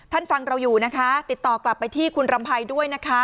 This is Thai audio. ฟังเราอยู่นะคะติดต่อกลับไปที่คุณรำไพรด้วยนะคะ